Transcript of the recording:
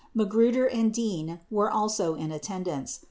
Magruder and Dean were also in attendance.